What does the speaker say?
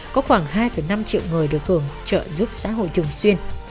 có khoảng hai năm triệu người được hưởng trợ giúp xã hội thường xuyên